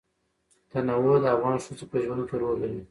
تنوع د افغان ښځو په ژوند کې رول لري.